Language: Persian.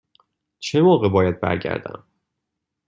چه موقع باید برگردم؟